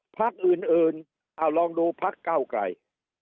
พักอื่นเอาลองดูพักเก้าไกล